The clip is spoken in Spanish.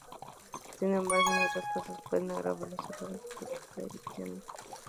Sin embargo, en otros casos, puede agravar los errores de predicción.